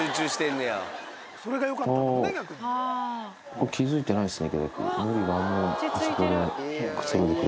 僕気付いてないですね。